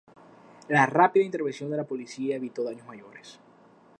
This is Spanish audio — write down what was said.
La rápida intervención de la policía evitó daños mayores.